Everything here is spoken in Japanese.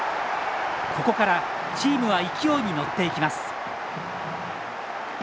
ここからチームは勢いに乗っていきます。